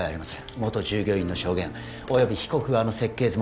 元従業員の証言および被告側の設計図も